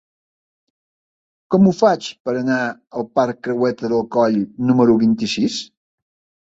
Com ho faig per anar al parc Creueta del Coll número vint-i-sis?